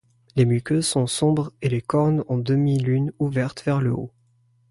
Les muqueuses sont sombres et les cornes en demi lune ouverte vers le haut.